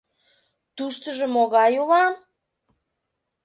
— Туштыжо могай улам?